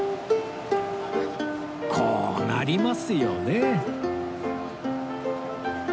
こうなりますよね